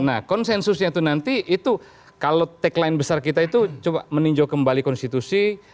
nah konsensusnya itu nanti itu kalau tagline besar kita itu coba meninjau kembali konstitusi